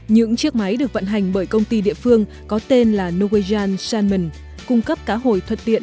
những chiếc máy được vận hành bởi công ty địa phương có tên là norwegian